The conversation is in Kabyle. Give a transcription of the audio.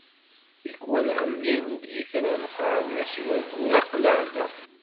Tikwal ɣellin-d yitran qqaren as i waggur aql-aɣ da.